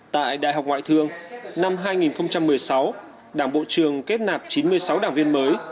tại đại học ngoại thương năm hai nghìn một mươi sáu đảng bộ trường kết nạp chín mươi sáu đảng viên mới